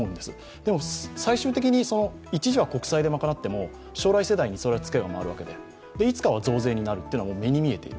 でも最終的に一時は国債で賄っても将来世代にそのツケが回るわけでいつかは増税になるっていうのは目に見えている。